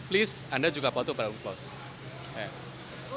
please anda juga patuh pada unclosed